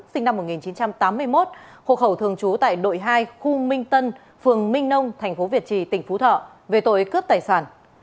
sinh năm một nghìn chín trăm tám mươi một hộ khẩu thường trú tại đội hai khu minh tân phường minh nông thành phố việt trì tỉnh phú thọ về tội cướp tài sản